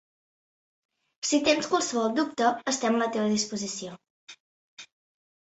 Si tens qualsevol dubte estem a la teva disposició.